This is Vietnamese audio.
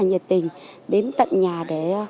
nhiệt tình đến tận nhà để